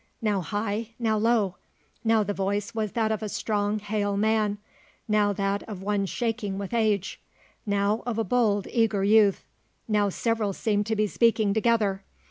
Now high, now low; now the voice was that of a strong, hale man; now that of one shaking with age; now of a bold, eager youth; now several seemed to be speaking together.